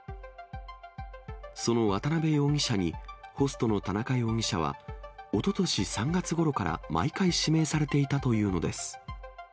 その渡辺容疑者に、ホストの田中容疑者は、おととし３月ごろから毎回指名されていたというのです。